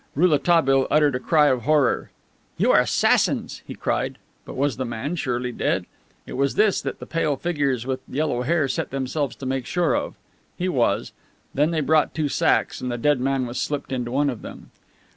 Rouletabille uttered a cry of horror. "You are assassins!" he cried. But was the man surely dead? It was this that the pale figures with the yellow hair set themselves to make sure of. He was. Then they brought two sacks and the dead man was slipped into one of them.